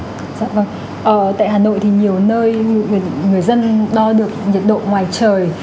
ở tại hà nội thì nhiều nơi người dân đo được nhiệt độ ngoài trời